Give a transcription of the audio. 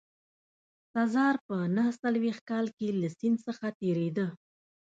سزار په نه څلوېښت کال کې له سیند څخه تېرېده.